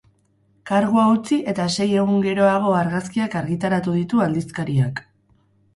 Kargua utzi eta sei egun geroago argazkiak argitaratu ditu aldizkariak.